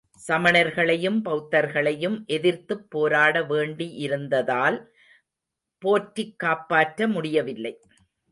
சமணர்களையும் பெளத்தர்களையும் எதிர்த்துப் போராட வேண்டியிருந்ததால் போற்றிக் காப்பாற்ற முடியவில்லை.